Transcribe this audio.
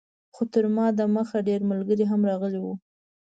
خو تر ما دمخه ډېر ملګري هم راغلي وو.